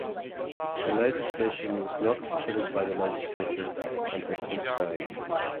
The legislation was not considered by the legislature and has since died.